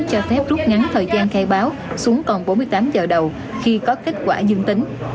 cho phép rút ngắn thời gian khai báo xuống còn bốn mươi tám giờ đầu khi có kết quả dương tính